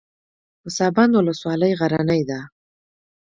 پسابند ولسوالۍ غرنۍ ده؟